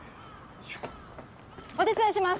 お手伝いします！